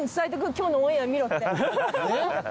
今日のオンエア見ろって。